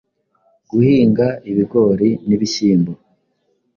guhinga ibigori n’ibishyimbo